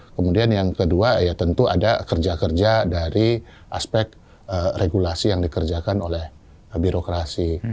kemudian yang kedua ya tentu ada kerja kerja dari aspek regulasi yang dikerjakan oleh birokrasi